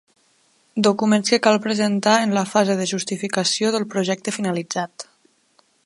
Documents que cal presentar en la fase de justificació del projecte finalitzat.